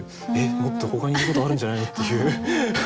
もっとほかに言うことあるんじゃないの？」っていう。